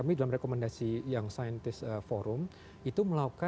mereka mengerti lagi